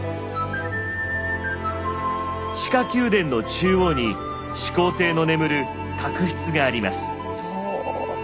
地下宮殿の中央に始皇帝の眠る槨室があります。